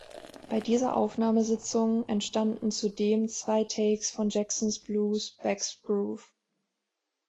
Bei dieser Aufnahmesitzung entstanden zudem zwei "takes" von Jacksons Blues "Bags' Groove".